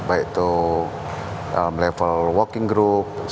jadi terdapat kesempatan lebih baik dari mereka